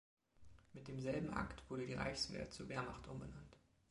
Mit demselben Akt wurde die „Reichswehr“ zur „Wehrmacht“ umbenannt.